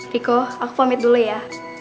viko aku pamit dulu ya